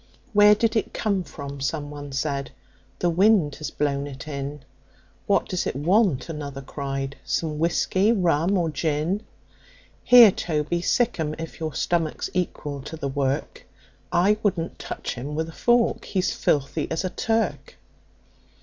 "Where did it come from?" someone said. " The wind has blown it in." "What does it want?" another cried. "Some whiskey, rum or gin?" "Here, Toby, sic 'em, if your stomach's equal to the work I wouldn't touch him with a fork, he's filthy as a Turk."